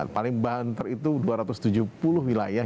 paling banter itu dua ratus tujuh puluh wilayah